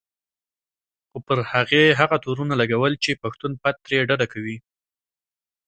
خو پر هغې هغه تورونه لګول چې پښتون پت ترې ډډه کوي.